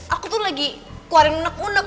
aku tuh lagi keluarin unek unek